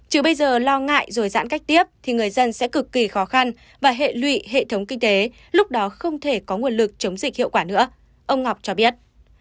chứ bây giờ lo ngại rồi giãn cách tiếp thì người dân sẽ cực kỳ khó khăn và hệ lụy hệ thống kinh tế lúc đó không thể có nguồn lực chống dịch hiệu quả nữa ông ngọc cho biết